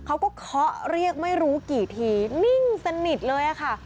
เขาก็เคาะเรียกไม่รู้กี่ทีนิ่งสนิทเลยค่ะ